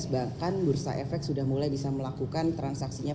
bahkan bursa efek sudah mulai bisa melakukan transaksinya